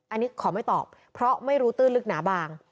อันนี้ขอไม่ตอบเพราะไม่รู้ตื้นลึกหนาบาง